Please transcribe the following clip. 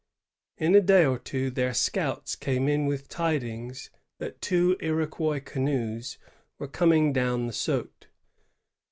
In a day or two their scouts came in with tidings that two Iroquois canoes were coming down the Saut.